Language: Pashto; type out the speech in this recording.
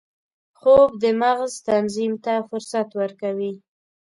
خوب د مغز تنظیم ته فرصت ورکوي